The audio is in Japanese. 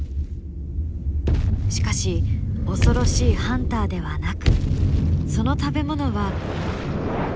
しかし恐ろしいハンターではなくその食べ物は。